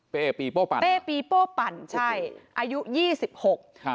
ปีโป้ปั่นเป้ปีโป้ปั่นใช่อายุยี่สิบหกครับ